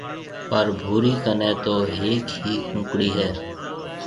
پر ڀوري ڪنَي تو هيَڪ ئي ڪونڪڙِي هيَ۔